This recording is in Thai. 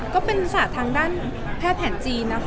ก็เป็นศาสตร์ทางด้านแพร่แผ่นจีน